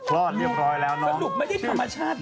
รอดเรียบร้อยแล้วเนาะ